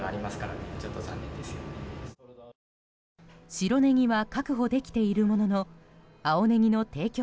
白ネギは確保できているものの青ネギの提供